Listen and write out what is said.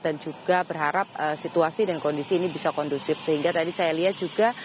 dan juga berharap situasi dan kondisi ini bisa kondusif sehingga tadi saya lihat juga